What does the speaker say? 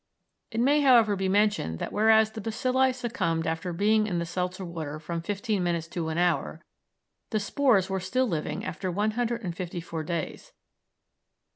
It may, however, be mentioned that whereas the bacilli succumbed after being in the seltzer water from fifteen minutes to an hour, the spores were still living after one hundred and fifty four days.